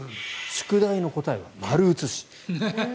宿題の答えは丸写し。